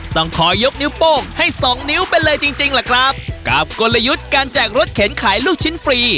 ต้องขอยกนิ้วโป้งให้สองนิ้วไปเลยจริงจริงล่ะครับกับกลยุทธ์การแจกรถเข็นขายลูกชิ้นฟรี